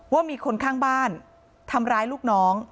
ว่ามีคนข้างบ้านทำร้ายลูกน้อง